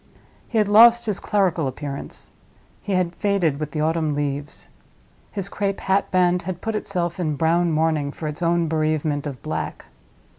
He had lost his clerical appearance—he had faded with the autumn leaves. His crape hat band had put itself in brown mourning for its own bereavement of black.